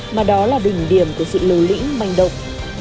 mà đó là đỉnh điểm của sự liều lĩnh manh động